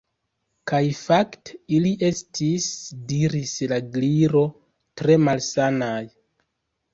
"Kaj fakte ili estis " diris la Gliro "tre malsanaj."